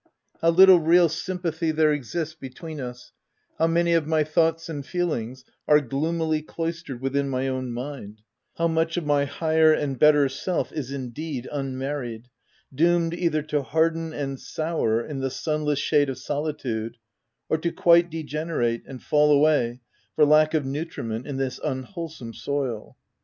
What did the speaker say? how little real sympathy there exists between us ; how many of my thoughts and feelings are gloomily cloistered within my own mind ; how much of my higher and better self is indeed unmarried — doomed either to harden and sour in the sunless shade of solitude, or to quite degenerate and fall away for lack of nutriment in this unwhole some soil